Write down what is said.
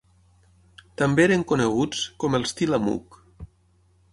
També eren coneguts com els Tillamook.